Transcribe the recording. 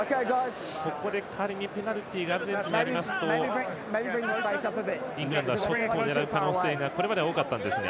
ここで、仮にペナルティがアルゼンチンにありますとイングランドはショットを狙う可能性がこれまでは多かったんですが。